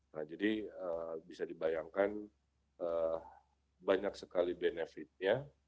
nah jadi bisa dibayangkan banyak sekali benefitnya